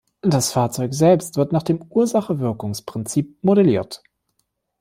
Das Fahrzeug selbst wird nach dem Ursache-Wirkungs-Prinzip modelliert.